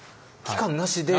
期間なしで。